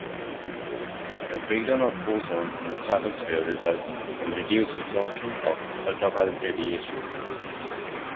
The breakdown of ozone in the stratosphere results in reduced absorption of ultraviolet radiation.